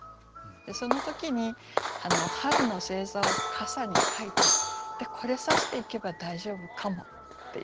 でその時に春の星座を傘に描いてでこれ差していけば大丈夫かもっていうね。